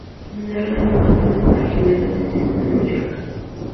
Munar ganó el Campeonato Regional de Atletismo de Mallorca.